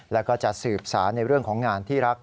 แล้วก็จะสืบสารในเรื่องของงานที่รัก